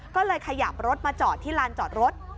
ก็เลยขยับรถมาจอดที่ลานจอดรถ